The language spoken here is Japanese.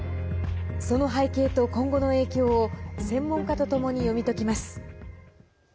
その背景と今後の影響を専門家とともに読み解きます。